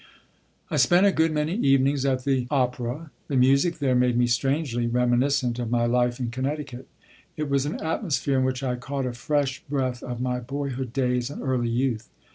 I spent a good many evenings at the Opéra. The music there made me strangely reminiscent of my life in Connecticut; it was an atmosphere in which I caught a fresh breath of my boyhood days and early youth.